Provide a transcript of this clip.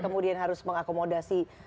kemudian harus mengakomodasi